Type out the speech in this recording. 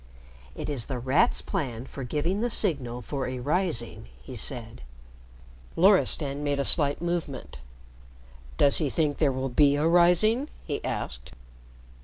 "It is The Rat's plan for giving the signal for a Rising," he said. Loristan made a slight movement. "Does he think there will be a Rising?" he asked.